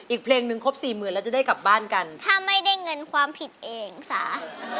อีกเพลงหนึ่งครบสี่หมื่นแล้วจะได้กลับบ้านกันถ้าไม่ได้เงินความผิดเองจ๋า